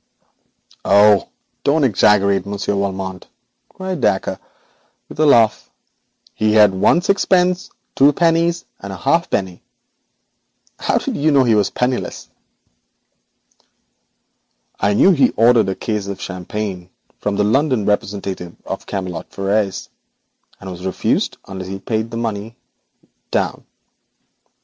'Oh, don't exaggerate, Monsieur Valmont,' cried Dacre with a gesture of pathetic protest; 'his pocket held one sixpence, two pennies, and a halfpenny. How came you to suspect he was penniless?' 'I knew he ordered a case of champagne from the London representative of Camelot Frères, and was refused unless he paid the money down.'